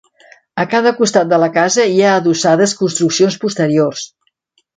A cada costat de la casa hi ha adossades construccions posteriors.